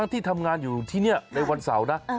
ที่ทำงานอยู่ที่นี่ในวันเสาร์นะ